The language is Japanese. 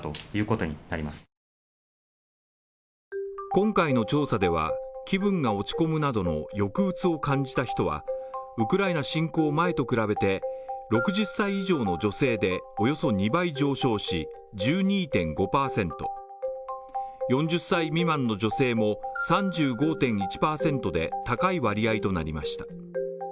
今回の調査では、気分が落ち込むなどの抑うつを感じた人はウクライナ侵攻前と比べて６０歳以上の女性で、およそ２倍上昇し、１２．５％、４０歳未満の女性も３５．１％で高い割合となりました。